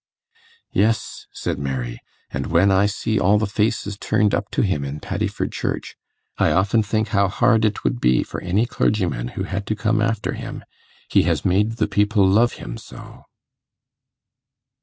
'Yes,' said Mary. 'And when I see all the faces turned up to him in Paddiford Church, I often think how hard it would be for any clergyman who had to come after him; he has made the people love him so.